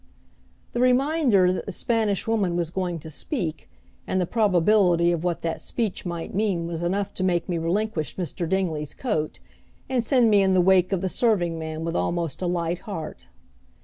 The reminder that the Spanish Woman was going to speak, and the probability of what that speech might mean was enough to make me relinquish Mr. Dingley's coat, and send me in the wake of the serving man with almost a light heart.